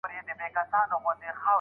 پلار به په زوی غوصه نه کوي.